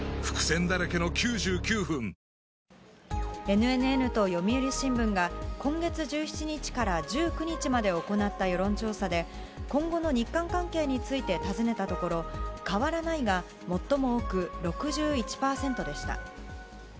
ＮＮＮと読売新聞が、今月１７日から１９日まで行った世論調査で、今後の日韓関係について尋ねたところ、変わらないが最も多く６１％でした。